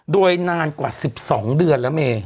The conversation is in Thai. โดยนานกว่า๑๒เดือนแล้วเม